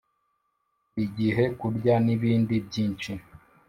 burigihe kurya, nibindi byinshi.